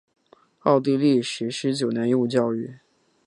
奥地利实施九年义务教育。